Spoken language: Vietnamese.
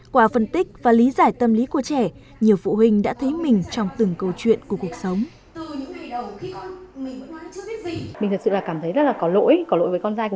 qua phân tích và lý giải tâm lý của trẻ nhiều phụ huynh đã thấy mình trong từng câu chuyện của cuộc sống